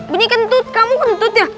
bunyi kentut kamu kentut ya